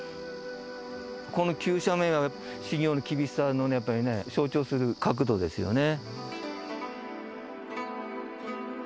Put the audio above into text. この急斜面は修行の厳しさをね、やっぱり象徴する角度ですよね。